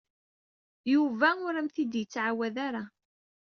Yuba ur am-t-id-yettɛawad ara.